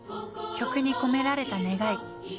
曲に込められた願い。